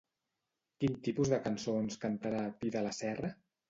Quin tipus de cançons cantarà Pi de la Serra?